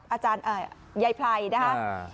อาจารย์เอ่อใยไพรนะคะ